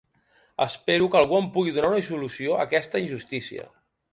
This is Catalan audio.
Espero que algú em pugui donar una solució a aquesta injustícia.